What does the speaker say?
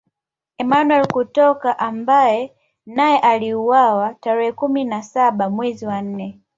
Emmanuel Kotoka ambaye naye aliuawa tarehe kumi na saba mwezi wa nne